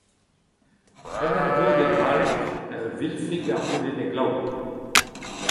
En ur vodenn haleg, ur vilfig a c’houlenne glav.